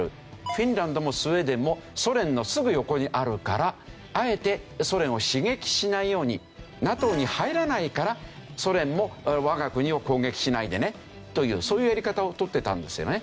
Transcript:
フィンランドもスウェーデンもソ連のすぐ横にあるからあえてソ連を刺激しないようにＮＡＴＯに入らないからソ連も我が国を攻撃しないでねというそういうやり方を取っていたんですよね。